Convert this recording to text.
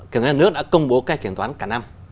kiểm toán nhà nước đã công bố cái kiểm toán cả năm